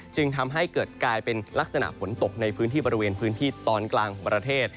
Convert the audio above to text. จึงทำให้เกิดกลายเป็นลักษณะฝนตกในพื้นที่บริเวณพื้นที่ตอนกลางของประเทศ